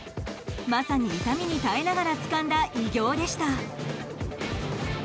まさに、痛みに耐えながらつかんだ偉業でした。